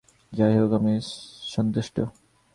যাই হোক, আমি সন্তুষ্ট।